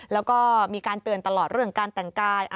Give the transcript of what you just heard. แล้วก็มีการเตือนตลอดเรื่องการแต่งกาย